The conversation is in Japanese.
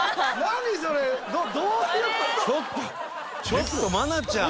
ちょっと愛菜ちゃん。